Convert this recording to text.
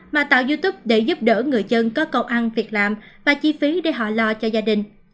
mà tạo youtube để giúp đỡ người dân có cầu ăn việc làm và chi phí để họ lo cho gia đình